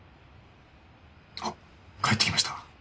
あっ帰ってきました。